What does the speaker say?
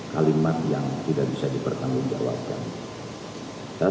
kalimat yang tidak bisa dipertanggungjawabkan